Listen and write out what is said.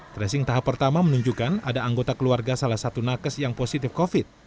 tracing tahap pertama menunjukkan ada anggota keluarga salah satu nakes yang positif covid